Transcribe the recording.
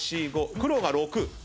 黒が６。